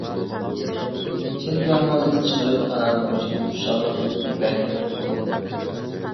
چىن كۆڭلىڭىزدىن چىقىرىپ، ئانا بولۇشنىڭ خۇشاللىقىدىن بەھرىمەن بولۇڭ.